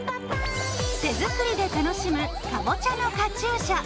手作りで楽しむかぼちゃのカチューシャ。